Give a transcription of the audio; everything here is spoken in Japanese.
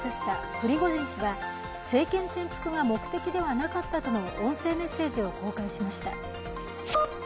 プリゴジン氏は、政権転覆が目的ではなかったとの音声メッセージを公開しました。